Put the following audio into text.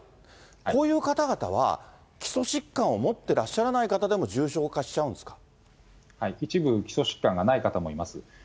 こういう方々は、基礎疾患を持ってらっしゃらない方でも、重症化一部、基礎疾患がない方もいます。